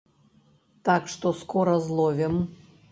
Так што скора зловім.